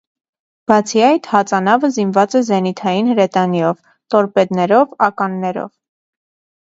Բացի այդ, հածանավը զինված է զենիթային հրետանիով, տորպեդներով, ականներով։